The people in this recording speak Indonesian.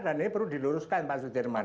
dan ini perlu diluruskan pak sudirman